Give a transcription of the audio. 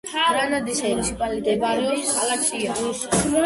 გრანადის მუნიციპალიტეტების სია.